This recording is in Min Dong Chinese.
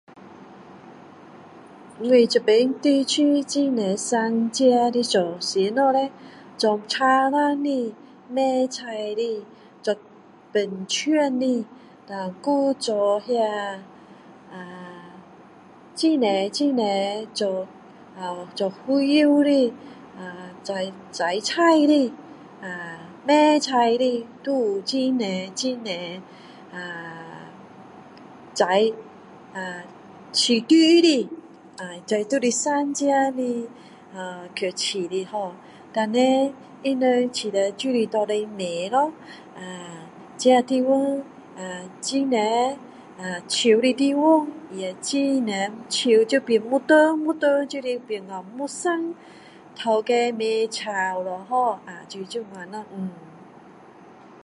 我这边地区很多商家的是做什么呢做做木山的卖菜的做板厂的然后还有做那个啊很多很多做啊做胡椒的啊种种菜的啊卖菜的都有很多很多啊早上啊啊养猪的这就是商家的啊去养的ho然后呢他们养了就是拿出去卖咯啊这地方啊很多啊树的地方也很多树就变木桐木桐就是变成木山老板卖木然后就是这样